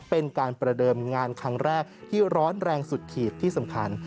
เป็นการประเดิมงานครั้งแรกที่ร้อนแรงสุดขีดที่สำคัญ